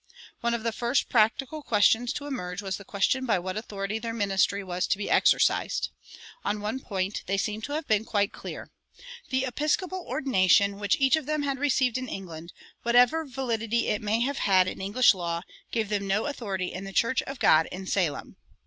One of the first practical questions to emerge was the question by what authority their ministry was to be exercised. On one point they seem to have been quite clear. The episcopal ordination, which each of them had received in England, whatever validity it may have had in English law, gave them no authority in the church of God in Salem.